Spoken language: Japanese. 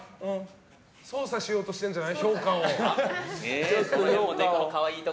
操作しようとしてるんじゃない評価を。